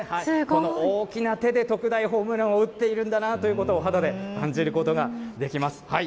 この大きな手で特大ホームランを打っているんだなということを肌で感じることができます。